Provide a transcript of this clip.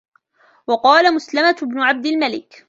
وَقَالَ مَسْلَمَةُ بْنُ عَبْدِ الْمَلِكِ